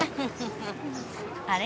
あれ？